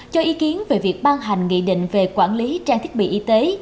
cho ý kiến về việc ban hành nghị định về quản lý trang thiết bị y tế